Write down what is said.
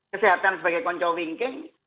kesehatan sebagai konco winking